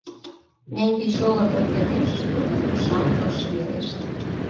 Меҥге чоло эртымеш, тудо кышам ыш верешт.